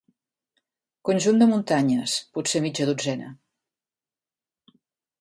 Conjunt de muntanyes, potser mitja dotzena.